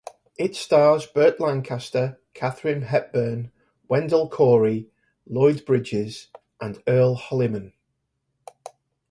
It stars Burt Lancaster, Katharine Hepburn, Wendell Corey, Lloyd Bridges and Earl Holliman.